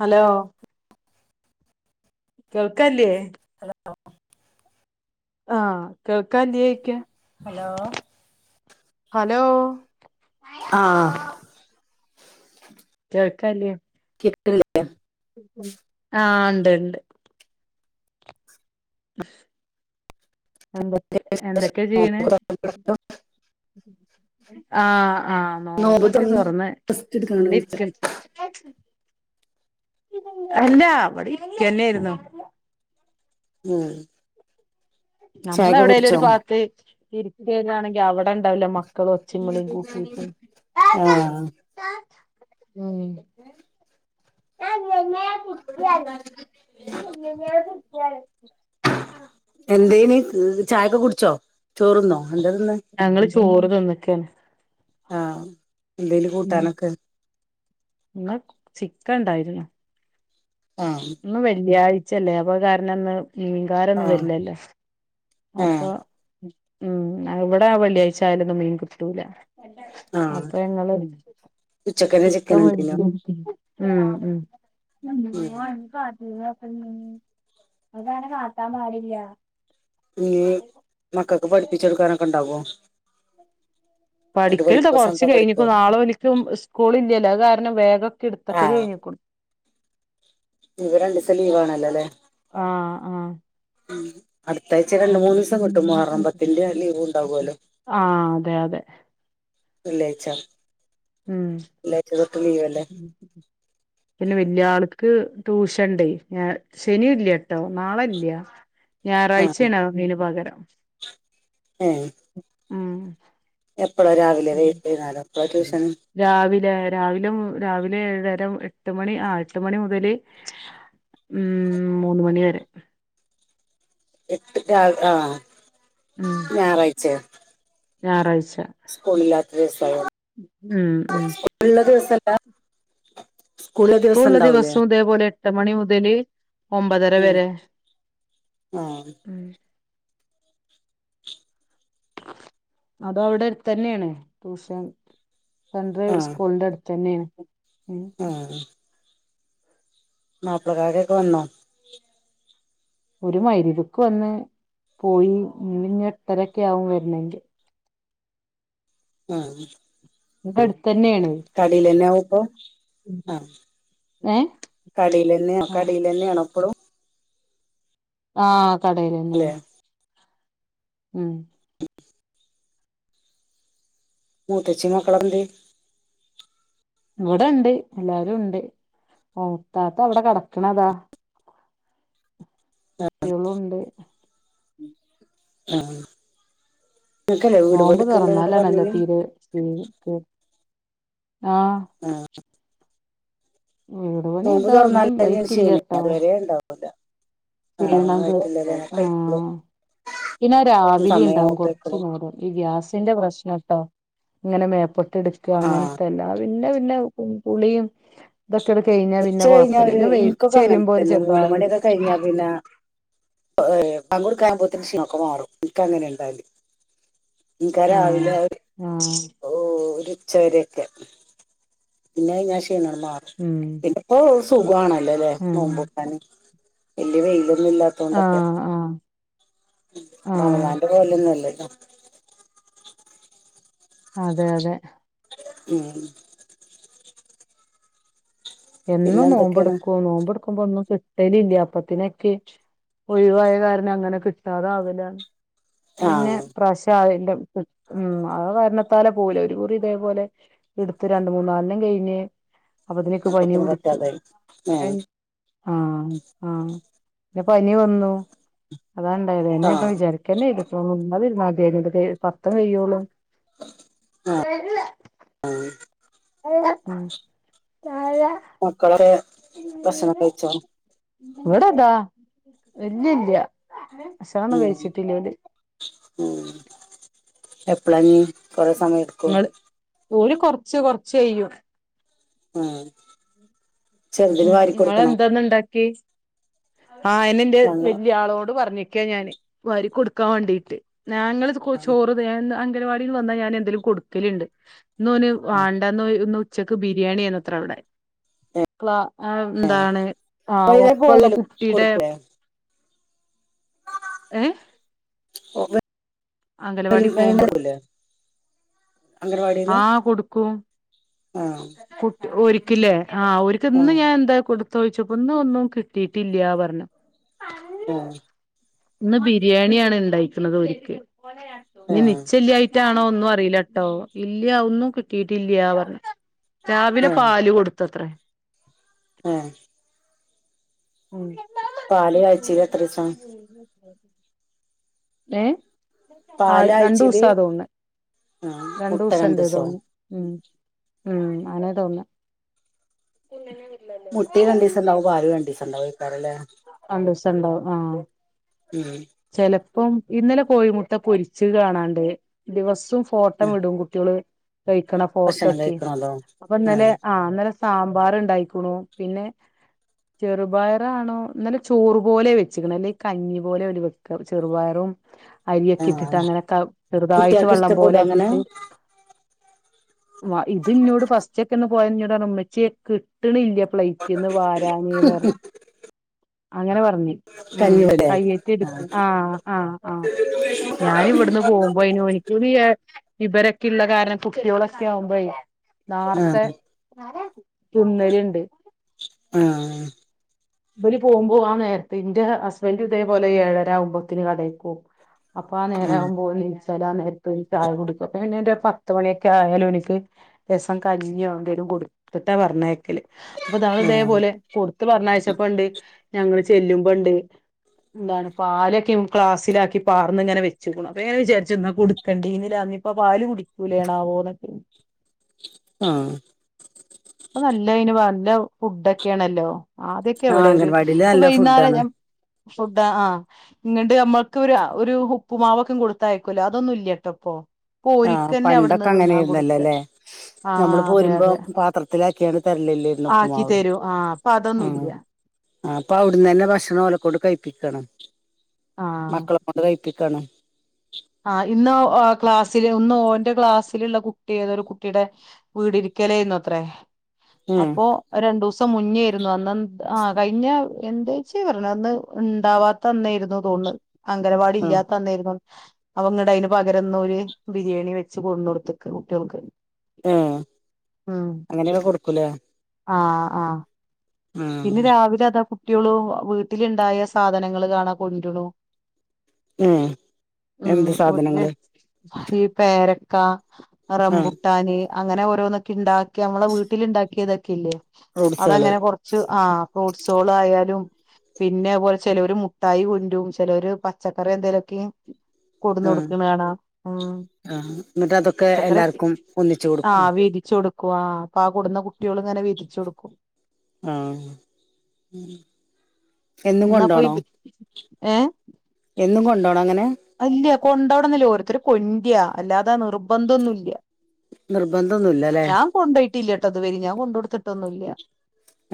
Hello കേൾക്കല്ലേ? Hello ആഹ് കേൾക്കാലോയ്ക്ക? ഹലോ ഹലോ ആഹ് കേൾക്കല്ലേ? കിട്ട്ല്ലേ ആഹ്ണ്ട് ണ്ട് എന്തൊ എന്തൊക്കെയാ ചെയ്യണ? ആഹ് ആഹ് നോമ്പ് നോമ്പക്കെ തുറന്ന് തൊറന്ന് റസ്റ്റ് എടുക്കാണോ ചോയ്ച്ച ഇവിടെരികാണ് അല്ലാ ഇവിടെരിക്കന്നെയിരുന്നു. ഉം നമ്മള് ചായൊക്കെ എവിടെലും കുടിച്ചോ ഒരു പാത്ത് ഇരിക്കണെങ്കി അവിടെ ഉണ്ടാവല്ലേ മക്ക ക്കൾ ഒച്ഛിം വുളി കൂട്ടിട്ട് ആഹ് ഉം എന്തേനി ചായൊക്കെ കുടിച്ചോ ചോറന്നോ എന്ത തിന്ന ഞങ്ങള് ചോറ് തിന്നക്കാണ് ആഹ് എന്തേനി ഉം കൂട്ടാനൊക്കെ? ഇന്ന് ചിക്കൻണ്ടായിരുന്നു. ആഹ് ഇ ന്ന് വെള്ളിയാഴ്ചല്ലേ അപ്പ കാരണം ഒന്ന് മീകാരൊന്നും ആഹ് വരില്ലല്ലോ അപ്പൊ ഏഹ് ഉം ഇവിടെ വെള്ളിയാഴ്ച ആായലൊന്നും മീൻ കിട്ടൂല. ആഹ് അപ്പ ഞങ്ങള് ഉച്ചക്കന്നെ ചിക്ക ചിക്കൻ മ ഇണ്ടേനോ മ് ഉം മ് അതാന കാട്ടാൻ പാടില്ല ഈ മക്കൾക്ക് പഠിപ്പിച്ചെടുക്കാനൊക്കെ ഇണ്ടാവോ? ഇന്നട്ട് പഠിക്കല്ത പഠിക്കോ കൊറച്ച് സ്വന്തം പഠിക്കോ കഴിഞ്ഞിക്കു നാളെ ഓല്ക്ക് സ്കൂൾ ഇല്ലല്ലോ അത്‌ കാരണം ബേഗ് കിടുത്തക്കല് കഴിഞ്ഞിക്കു ഇഞ്ഞിപ്പ രണ്ടിസം ലീവ് ആണല്ലോ ല്ലേ? ആഹ് ആഹ് അടുത്തഴ്ച രണ്ട് മൂന്നിസം കിട്ടും മുഹറമ്പത്തിന്റെ ലീവ് ഉണ്ടാവല്ലോ. ആഹ് അതെ അതെ വെള്ളി ആയിച്ച ഉം പിന്നെ വല്യ ആൾക്ക് ട്യൂഷൻണ്ട് ഞ ശനില്ല ട്ടോ നാളല്ല്യ. ആ ഞായറാഴ്ചേണ അതിന് പകരം ഉം. എപ്പഴാ രാവിലെ, വൈകുന്നേരോ? എപ്പഴാ ഉം. ട്യൂഷൻ? രാവിലെ രാവിലെ രാവിലെ ഏഴര എട്ട് മണി ആ എട്ട് മണി മുതല്, ഉം മൂന്ന് മണി വരെ. എട്ട് ക ആ ഞായറാഴ്ചേ. ഞാറാഴ്ച. സ്കൂളില്ലാത്ത ദിവസ ഉം ഉം [unintelligible] സ്കൂളുള്ള ദിവസല്ല. സ്കൂളിലെ ദിവസം സ്കൂളുള്ള ഉണ്ടാവൂലേ ദിവസവും ഇതേപോലെ, എട്ട് മണി മുതൽ ഒമ്പതര ഉം വരെ. ആ ഉം അത് അവിടെ അടുത്ത് തന്നെണ് ട്യൂഷൻ. ആ [unintelligible] സ്കൂളിന്റെ അടുത്ത് തന്നെണ്. ഉം ആ [unintelligible] കൊക്കെ വന്നാ? ഒരു [unintelligible] വന്ന് പോയി ഇഞ്ഞി എട്ടരൊക്കെ ആകും വരണെങ്കി. ആ. ഇത് അടുത്ത് തന്നേണ്. കടേല്ലന്നേ ആവുമപ്പ ആഹ്. ഏ കടെലന്നെയ ആ കടെലന്നെയാണ ഇപ്പളും? ആഹ് അല്ലെ കടെലന്നെണ്. ഉം. മൂത്തച്ചിം മക്കളുംക്ക എന്തെ? ഇവിടെണ്ട്, എല്ലാരും ഉണ്ട്. [unintelligible] ത്താത്ത അവിടെ കെടക്കണതാ. [inaudible] [unintelligible] ഉണ്ട്. ആഹ്. നോമ്പ് പണിയെടുക്കണ്ട്ന്നൊക്കെ പെറന്നാലാണല്ലേ പറഞ്ഞില്ലേ തീരെ [unintelligible] ആഹ്. ആഹ്. വീട് പണി നോമ്പ് ഇതാ തുറന്നാ ഒന്നും [unintelligible] ക്ഷീണം ഇതായിട്ടില്ലട്ടോ അതുവരെ ഉണ്ടാവൂല. ആ ഒന്നും ചെയ്യണങ്കില് ആയിട്ടില്ലല്ലേ ആ. കഴിക്കുള്ളൂ പിന്നെ രാവിലെ ഉണ്ടാവും സമയമൊക്കെ കുറച്ചു എപ്പളും [unintelligible] ഈ ഗ്യാസിന്റെ പ്രശ്ന ട്ടോ അങ്ങനെ മേപ്പൊട്ട എടുക്ക. ആഹ് അങ്ങനത്തെ എല്ലാ പിന്നെ പിന്നെ പുളീം, ഇതൊക്കെടു കഴിഞ്ഞാൽ ഉച്ച പിന്നെ കഴിഞ്ഞ കൊഴപ്പുല്ല. ഒരു പിന്നെ ഇനിക്കൊക്കെ അങ്ങനെ [unintelligible] ഒരു തന്നെ മൂന്ന് ചെറുതാതിരി. കഴിഞ്ഞാ പിന്നാ, ഏഹ് പാങ്കു കൊടുക്കാകുമ്പോതേക്കും ക്ഷീണൊക്കെ മാറും. ഇനിക്ക അങ്ങനെ ഉണ്ടാവല്. എനിക്കാ രാവില ആ. ഓ ഒരുച്ചവരേക്കെ. പിന്നെ ഞാ ക്ഷീണം മാറ ഉം ഇപ്പൊ സുഖാണോലല്ലെ ഉം നോമ്പറകാന്. വല്യ വെയിലൊന്നുംല്ലാ ത്തോണ്ടൊക്കെ. ആഹ് ആഹ് ആഹ് [unintelligible] അതെ അതെ. ഉം പിന്നെ എന്നും നോമ്പ് എന്തൊക്കെയാണ് എടുക്കു, നോമ്പ എടുക്കുമ്പോ ഒന്നും കിട്ടല് ഇല്ല. അപ്പത്തിനൊക്കെ ഒഴിവായ കാരണം അങ്ങനെ കിട്ടാത ആവല. പിന്നെ ആഹ് പ്രശ് [unintelligible] ആ കാരണത്താല പോലെ, ഒരു കുറി ഇതേപോലെ, എടുത്ത് രണ്ട്‌ മൂന്നാലണ്ണം കഴിഞ്ഞ് അപ്പ അപ്പോത്തിന് പറ്റാതായി. ഏഹ് ആഹ് ആ പിന്നെ പനി വന്നു. അതാണ്ടായത് എന്നെപ്പൊ ആഹ് വിചാരിക്കേന്നേനു ഇപ്പതിരുന്നത് [unintelligible] പത്ത് കയ്യൊള്ളു ആ [unintelligible] മക്കളൊക്കെ ഭക്ഷണം കഴിച്ചോ ഇവടെതാ ഇല്ലല്ലാ ഭക്ഷണൊന്നും കഴിച്ചിട്ടില്ല ഓല് എപ്പളാഞ്ഞി കൊറേ സമയെട് ങ്ങള് ഓല് കൊറച്ച് കൊറച്ച് കെയ്യും ഉം ങ്ങളെന്താന്ന് ണ്ടാക്കിയേ ആയെന്ന് ന്റെ ഞങ്ങള് വല്ല്യാളോട് പറഞ്ഞേക്കാ ഞാന് വാരി കൊടുക്കാൻ വേണ്ടീട്ട് ഞങ്ങള്ത് ആ ചോറ് വേണ്ട അംഗനവാടിന്ന് വന്നാൽ ഞാൻ എന്തെലും കൊടുക്കലുണ്ട് ഇന്ന് ഓന് ആ വാണ്ടന്ന് ന്നൊരു ഇന്ന്‌ ഉച്ചയ്ക്ക് ബിരിയാണിന്നുത്രേ അവടെ ക്ലാ എന്താണ് ആ വൈന്നേരം ഒപ്പോള്ള പോകലും കുട്ടീടെ കൊടുക്കൂലേ ഏ ഓ [inaudible] അംഗലവാടി നാലും പോകുമ്പോ വേണ്ടതല്ലേ ആ കൊടുക്കും ആ ഓരിക്കില്ലേ ആ ആ ഒരിക്ക്ന്ന് ഞാൻ എന്താ കൊടുത്തൊയിച്ചപ്പോ ഇന്ന് ഒന്നും കിട്ടീട്ടില്ല പറഞ്ഞു ഏ ഇന്ന് ബിരിയാണിയാണ് ണ്ടാക്ക്ണത് ഓൽക്ക് ഇനി ആ നിച്ചെല്ലായി റ്റാണോ ഒന്നും അറീലട്ടോ ഇല്ല ഒന്നും കിട്ടീട്ടില്ല പറഞ്ഞ് രാവിലെ ആ പാല് കൊടുത്തത്രേ ഏ ഉം പാല് ആഴ്ചയില് എത്രീസാ ഏ ആ പാല് ആഴ്ചയില് രണ്ടൂസാ തോന്ന്നെ ആ രണ്ടു മുട്ട ദിവസണ്ട് രണ്ടീസോ തോന്നണ് ഉം ഉം ത്തണ് തോന്നണ് മുട്ടിം രണ്ടീസം ഉണ്ടാവും പാലും രണ്ടീസണ്ടാവും എയ്ക്കാരല്ലേ രണ്ടൂസണ്ടാവും ആ ഉം ചെലപ്പം ഇന്നലെ കോഴിമുട്ട പൊരിച്ച് കാണാണ്ട് ദിവസോം ഫോട്ടോ ഉം വിടും കുട്ട്യോള് കഴിക്കണ ഫോട്ടോ ഭക്ഷണം ഒക്കെ കഴിക്കണല്ലോ അപ്പൊ ഇന്നലെ ആ ഇന്നലെ സാമ്പാറ്ണ്ടായിക്ക്ണു പിന്നെ ചെറുപയറാണോ ഇന്നലെ ചോറ്പോലെ വെച്ച്ക്ക്ണെ അല്ലെങ്കി കഞ്ഞി പോലെ ഓല് വെക്ക ചെറുപയറും ആ അരിയൊക്കെ ഇട്ടിട്ട് അങ്ങനെക്കെ ചെറുതായിട്ട് കുട്ടികൾക്ക് വെള്ളം ഇഷ്ടപ്പെടുവോ അങ്ങനെ പോലെയാക്കിട്ട് വ ഇത് ഇന്നോട് ഫസ്റ്റക്കെ ഒന്ന് പോയ ഇന്നോട് ഉമ്മച്യേ ഇൻക്ക് കിട്ട്നില്ല പ്ലൈറ്റ്ന്ന് വാരാന്ന് പറഞ്ഞ് അങ്ങനെ പറഞ്ഞി ഉം കഞ്ഞിവടയോ കയ്യേറ്റിടുത്ത് ആ ആ ആ ഞാനവിടുന്ന് പോവും വൈനോർക്ക് [unintelligible] ഇവരൊക്കെ ഉള്ള കാരണം കുട്ട്യോളൊക്കെ ആവുമ്പോ ആ നാർത്തെ തിന്നല്ണ്ട് ആഹ് ഇബല് പോവുംമ്പോ ആ നേര്ത്ത് ഇന്റെ ഹസ്ബൻഡ് ഇതേപോലെ ഏഴരആവുംമ്പോത്തിന് കടേക്ക് പോവും അപ്പൊ ആ നേരാ ആവുംമ്പോഓൽ നീച്ചാലാ ആ നേരത്ത് ചായ കൊടുക്കും അപ്പോ അയിന്റെപ്പോം പത്ത് മണിയൊക്കെ ആയാലും എനിക്ക് ലേസം കഞ്ഞിയോ എന്തേലും കൊടുത്തിട്ടാ പറഞ്ഞയക്കാ ക്കല് അപ്പൊ ആ ഇതേപോലെ കൊട്ത്ത് പറഞ്ഞയ്ച്ചപ്പോണ്ട് ഞങ്ങള് ചെല്ലുമ്പണ്ട് എന്താണ് പാലൊക്കെവും ക്ലാസ്സിലാക്കി പാർന്ന് ഇങ്ങനെ വെച്ച്ക്ക്ണ് അപ്പ ഞാൻ വിചാരിച്ചു ന്നാ കൊട് കണ്ടെന്നില്ല ഇന്നിപ്പ പാല് കുടിക്കൂലേണാവോ ന്നൊക്കെ ആഹ് ഇപ്പ നല്ല അയ്ന് നല്ല ഫുഡൊക്കെയാണല്ലോ ആദ്യൊക്കെ ആഹ് എവിടെ ഒരു അംഗൻവാടിയില് ഇപ്പൊ നല്ല ഫുഡാണ് വൈകുന്നേരം ഫുഡ് ആഹ് ഇങ്ങട്ട് ഞമ്മക്കൊരു ആ ഒരു ഉപ്പുമാവൊക്കെം കൊടുത്തയക്കൂല്ലേ അതൊന്നും ഇല്ലട്ടോ ഇപ്പോ. ആഹ് പണ്ടൊക്കെ അങ്ങനെ ആയ്രുന്നല്ലോ അല്ലേ നമ്മള് ആഹ് അതെ പോരുമ്പോ അതെ പാത്രത്തിലാക്കിയാണ് തരലില്ലേ ആക്കി തരൂ ആഹ് ഇപ്പൊ അതൊന്നും ഇല്ല്യ ആഹ് ഇപ്പൊ അവിടന്ന് തന്നെ ഭക്ഷണം ഓലെ കൊണ്ട് കഴിപ്പിക്കാണ് ആഹ് മക്കളെ കൊണ്ട് കഴി ക്കാണ് ആഹ് ഇന്ന് ക്ലാസ്സില് ഒന്ന് ഓറെ ക്ലാസ്സിലുള്ള കുട്ടി ഏത ഒരു കുട്ടിടെ വീടിരിക്കലേന്ന് അത്രേ ഉം അപ്പൊ രണ്ടു ദിവസം മുന്നേ ആയിരുന്നു അന്ന് ആ കഴിഞ്ഞ എന്താഴ്ച്ചേ പറഞ്ഞത് ഉണ്ടാവാ തന്നായിരുന്നു തോന്ന് അംഗനവാടി ഉം ഇല്ലാത്ത അന്നായിരുന്നു അവങ്ങടെ അയ്ന് പകരന്നോരു ബിരിയാണി വെച്ച് കൊട്ന്ന് കൊടുത്തക്ക കുട്ടികൾക്ക് ആഹ് ഉം അങ്ങനെയൊക്കെ കൊടുക്കൂലേ ആഹ് ആഹ് പിന്നെ ആഹ് രാവിലെ അതാ കുട്ട്യോളും വീട്ടിലുണ്ടായ സാധനങ്ങള് കാണാ കൊണ്ടുണു ഉം ഉം എന്ത് വീട്ടില് സാധനങ്ങള് ഈ പേരക്ക ആഹ് റമ്പൂട്ടാന് അങ്ങനെ ഓരോന്നൊക്കെ ഉണ്ടാക്കി നമ്മളെ വീട്ടിൽ ഉണ്ടാക്കിയതൊക്കെ ഇല്ലേ ഫ്രൂട്ട്സാള് അതങ്ങനെ കൊറ ആഹ് ഫ്രൂട്ട്സേള് ആയാലും പിന്നെംഅത് പോലെ ചെലോര് മുഠായി കൊണ്ടരും ചിലര് പച്ചക്കറി എന്തേലൊക്കെം ആഹ് കൊടുന്നോട്ക്ക്‌ണാണ ഉം ആഹ് എന്നിട്ട് അതൊക്കെ പച്ചക്കറി എല്ലാവർക്കും ഒന്നിച്ച് കൊടു ആഹ് വീദിച്ചു കൊടു ക്കു ആഹ് അപ്പൊ ആ കൊട്ന്ന കുട്ടികള് ഇങ്ങനെ വീതിച്ചു കൊടുക്കും. ആഹ് എന്നും എന്നാ പോയി കൊണ്ടോണോ ഏ എന്നും കൊണ്ടോണം അങ്ങനെ അല്ല കൊണ്ടോവടന്നില്ലേ ഓരോത്തര് കൊണ്ട്യാ അല്ലാതെ നിർബന്ധൊന്നും ഇല്ല നിർബന്ധൊന്നുല്ല്യല്ലെ കൊണ്ടോയിട്ടില്ല ട്ടൊ ഇതുവരി ഞാൻ കൊണ്ടൊടുത്തിട്ടൊന്നും ഇല്ല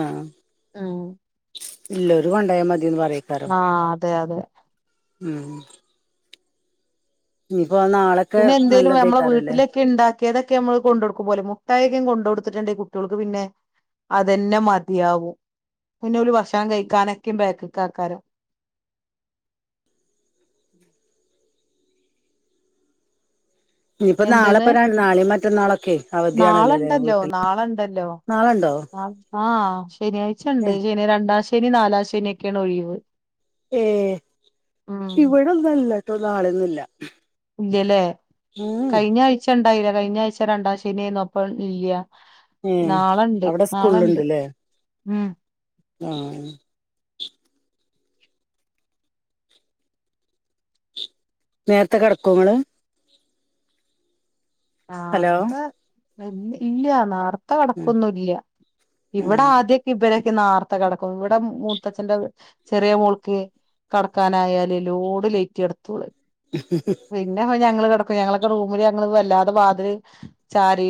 ആഹ് ഇല്ലൊരു കൊണ്ടായാൽ മതിന്ന് പറയേക്കാരം ആഹ് അതെ അതെ ഉം ഇനി പോ നാളെ പിന്നെ എന്തേലും നമ്മളെ വീട്ടിലേ ക്ക് ഇണ്ടാക്കിയതൊക്കെ നമ്മള് കൊണ്ടൊടുക്കും പോലെ മുഠായി ഒക്കെ ഞാൻ കൊണ്ടൊടുത്തിട്ടുണ്ടെ കുട്ടികൾക്ക് പിന്നെ അതന്നെ മതിയാവും പിന്നെ ഓല് ഭക്ഷണം കഴിക്കാനൊക്കെ ബേക്ക്ക്ക് ആക്കാരും ഇനിയിപ്പോ എന്ത്ന്ന് നാളെപ്പ നാളെയും മറ്റന്നാളൊക്കെ നാളെ ഇണ്ടല്ലോ നാളെ ഇണ്ടല്ലോ നാളെ ഇണ്ടോ ആഹ് ശനിയാഴ്ച ഇണ്ട് ശനി രണ്ടാശ നി നാലാം ശനിയൊക്കെയാണ് ഒഴിവ് ഏ ഉം ഇവിടെന്നല്ലട്ടോ നാളൊന്നും ഇല്ല ഇല്ല്യല്ലേ കഴിഞ്ഞ ആഴ്ച ഉണ്ടായില്ല കഴിഞ്ഞ ആഴ്ച രണ്ടാം ശനിയായിന്നും അപ്പം ഇല്ല്യ ഏ നാളെണ്ട് അവിടെ നാളെണ്ട് ഉം ആഹ് നേർത്തെ കിടക്കൊ ഇങ്ങള് ഹലോ നേർത്തെ ഇല്ല്യ നാർ ത്തെ ഉം കിടക്കൊന്നും ഇല്ല്യ ഇവിടെ ഉം ആദ്യ ഇവരൊക്കെ നേർത്തെ കിടക്കും ഇവിടെ മൂത്തച്ഛന്റെ ചെറിയ മോൾക്ക് കടക്കാനായാല് ലോഡ് ലേറ്റ എടുത്തോള് [inaudible] പിന്നെ പ്പ ഞങ്ങള് കെടക്കും ഞങ്ങളക്കെ റൂമില് ഞങ്ങള് വല്ലാതെ വാതില് ചാരി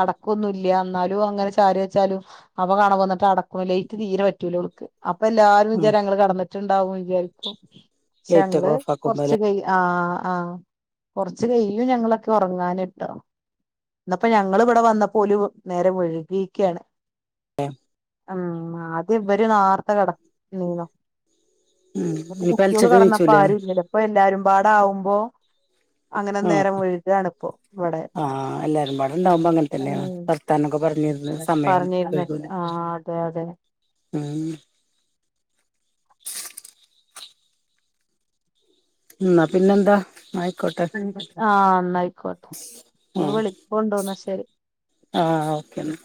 അടക്കൊന്നുംല്ല ന്നാലും അങ്ങനെ ചാരി വെച്ചാലും. അപ്പം കാണാം വന്ന്ട്ട് അടക്കും ലേറ്റ് തീരെ പറ്റൂലോ ഓൾക്ക്. അപ്പ എല്ലാരും ഉം വിചാരം ഞങ്ങള് കടന്ന്ട്ട്ണ്ടാവും വിചാരിക്കും. ക്ഷേ ലൈറ്റൊക്കെ ഞങ്ങള് കൊർച്ച് ഓഫാക്കുമ്പോല്ലേ കൈ ആഹ് ആഹ് കൊർച്ച് കയ്യും ഞങ്ങളൊക്കെ ഒറങ്ങാന്. ടോ ഇന്നപ്പ ഞങ്ങള് ഇവ്ടെ വന്നപ്പം ഓല് നേരം ഒഴുകിക്കയാണ്. ഏഹ് ഉം ആദ്യം ഇവര് നാർത്ത കട നീന്നു. ഉം ഇനിപ്പ കുട്ട്യോള് അലച്ചക്ക് കടന്നപ്പ നീച്ചൂലേ ആരും ഇല്ലല്ലോ പ്പ എല്ലാരും പാടാവുമ്പോ. അങ്ങനെ ആ നേരം വഴുകാണ് ഇപ്പോ. [unintelligible] ആ എല്ലാരും പാടെ ഇണ്ടാവുമ്പോ അങ്ങനെ തന്നെയാണ് വർത്താനൊക്കെ പറഞ്ഞിരുന്ന് സമയം പറഞ്ഞിര്ന്നപ്പ വൈകൂലേ ആഹ് തെ തെ ഉം ന്ന പിന്നെന്താ? [unintelligible] ആഹ് ന്നയിക്കോട്ടെ [unintelligible] വിളി കൊണ്ടു ന്ന ശരി. ആഹ് ഓക്കെ ന്നാ.